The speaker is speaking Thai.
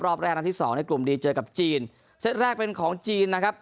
รอบแรกนัดที่สองในกลุ่มดีเจอกับจีนเซตแรกเป็นของจีนนะครับ